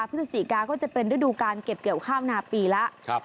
พฤศจิกาก็จะเป็นฤดูการเก็บเกี่ยวข้าวนาปีแล้ว